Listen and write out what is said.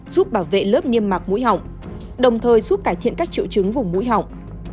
giúp bảo vệ lớp nghiêm mạc mũi họng đồng thời giúp cải thiện các triệu chứng vùng mũi họng